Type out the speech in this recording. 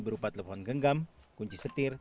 berupa telepon genggam kunci setir